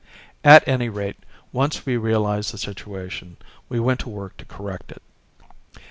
"At any rate, once we realized the situation we went to work to correct it.